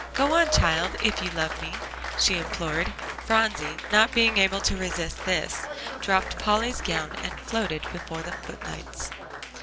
Go on, child, if you love me," she implored. Phronsie, not being able to resist this, dropped Polly's gown and floated before the footlights.